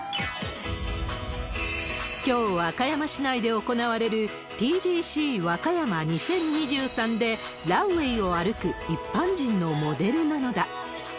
きょう和歌山市内で行われるＴＧＣＷＡＫＡＹＡＭＡ２０２３で、ランウエーを歩く一般人のモデルなのだ。